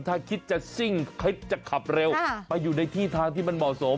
ถ้าคิดจะซิ่งจะขับเร็วไปอยู่ในที่ทางที่มันเหมาะสม